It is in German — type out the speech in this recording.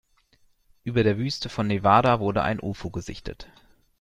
Über der Wüste von Nevada wurde ein Ufo gesichtet.